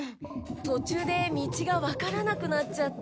とちゅうで道がわからなくなっちゃって。